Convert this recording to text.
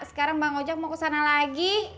sekarang bang ojak mau kesana lagi